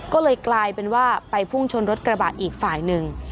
ก็เลยกลายเป็นว่าไปพุ่งชนรถกระบะอีกฝ่ายหนึ่ง